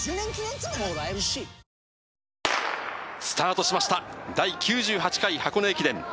スタートしました、第９８回箱根駅伝。